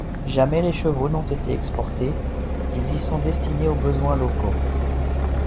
Jamais les chevaux n'ont été exportés, ils y sont destinés aux besoins locaux.